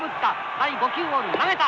第５球を投げた。